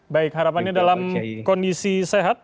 baik harapannya dalam kondisi sehat